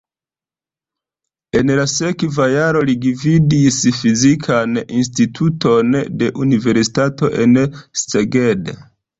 En la sekva jaro li gvidis fizikan instituton de universitato en Szeged.